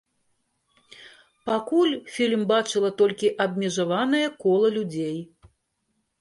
Пакуль фільм бачыла толькі абмежаванае кола людзей.